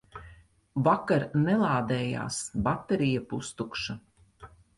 Vakar nelādējās, baterija pustukša.